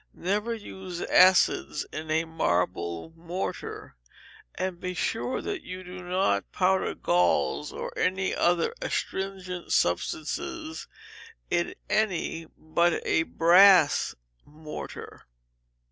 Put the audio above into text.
Never use acids in a marble mortar, and be sure that you do not powder galls or any other astringent substances in any but a brass mortar.